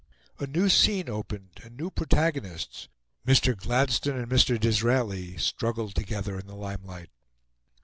A new scene opened; and new protagonists Mr. Gladstone and Mr. Disraeli struggled together in the limelight.